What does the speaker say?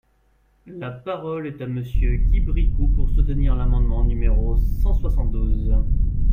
La parole est à Monsieur Guy Bricout, pour soutenir l’amendement numéro cent soixante-douze.